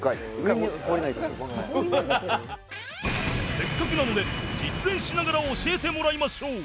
せっかくなので実演しながら教えてもらいましょう